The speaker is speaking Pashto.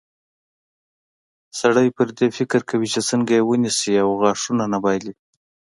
سړی پر دې فکر کوي چې څنګه یې ونیسي او غاښونه نه بایلي.